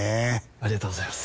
ありがとうございます！